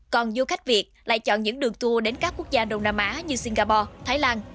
còn du khách việt lại chọn những đường tour đến các quốc gia đông nam á như singapore thái lan